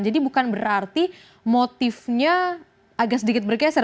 jadi bukan berarti motifnya agak sedikit bergeser